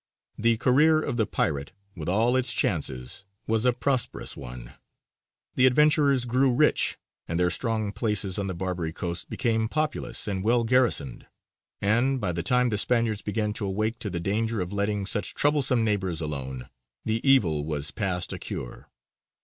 The career of the pirate, with all its chances, was a prosperous one. The adventurers grew rich, and their strong places on the Barbary coast became populous and well garrisoned; and, by the time the Spaniards began to awake to the danger of letting such troublesome neighbours alone, the evil was past a cure.